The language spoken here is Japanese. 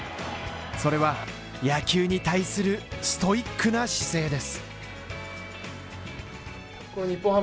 それは野球に対するストイックな姿勢です